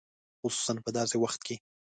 خصوصاً په داسې وخت کې.